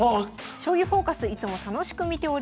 『将棋フォーカス』いつも楽しく見ております。